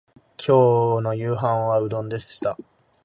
今日の夕飯はうどんでした